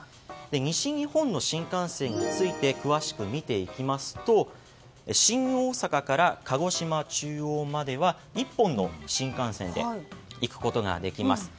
西日本の新幹線について詳しく見ていきますと新大阪から鹿児島中央までは１本の新幹線で行くことができます。